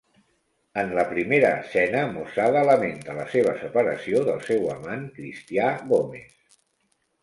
En la primera escena, Mosada lamenta la seva separació del seu amant cristià Gomez.